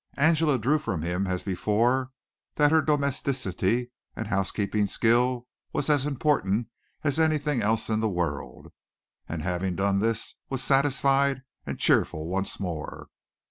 Angela drew from him, as before, that her domesticity and housekeeping skill was as important as anything else in the world, and having done this was satisfied and cheerful once more.